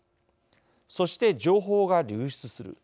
そして情報が流出する。